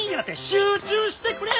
集中してくれよ！